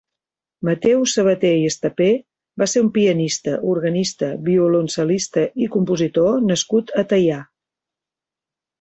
Mateu Sabater i Estaper va ser un pianista, organista, violoncel·lista i compositor nascut a Teià.